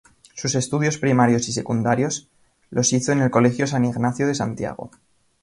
Sus estudios primarios y secundarios los hizo en el Colegio San Ignacio de Santiago.